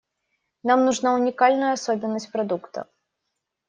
Нам нужна уникальная особенность продукта.